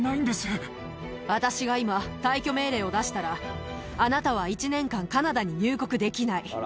私が今、退去命令を出したら、あなたは１年間、カナダに入国できない。